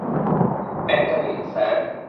ব্যাগটা দিন, স্যার?